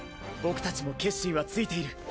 僕たちも決心はついている。